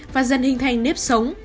và dần hình thành nếp sống